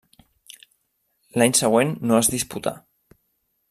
L'any següent no es disputà.